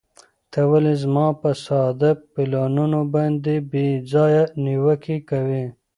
ته ولې زما په ساده پلانونو باندې بې ځایه نیوکې کوې؟